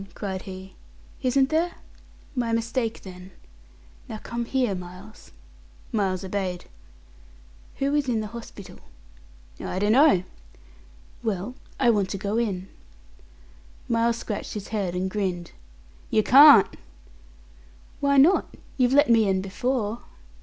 cried he. "Isn't there? My mistake, then. Now come here, Miles." Miles obeyed. "Who is in the hospital?" "I dunno." "Well, I want to go in." Miles scratched his head, and grinned. "Yer carn't." "Why not? You've let me in before."